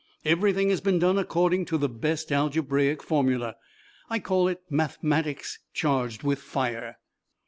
Everything has been done according to the best algebraic formulae. I call it mathematics, charged with fire.